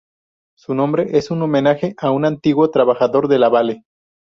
Su nombre es un homenaje a un antiguo trabajador de la Vale.